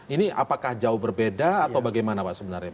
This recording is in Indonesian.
ini apakah jauh berbeda atau bagaimana pak sebenarnya